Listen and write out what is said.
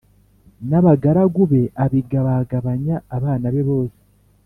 n’abagaragu be abigabagabanya abana be bose